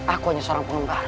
aku hanya seorang pengembara